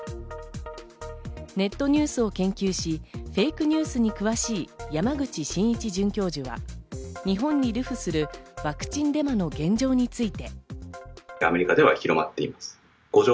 ネットニュースを研究し、フェイクニュースに詳しい山口真一准教授は日本に流布するワクチンデマの現状について。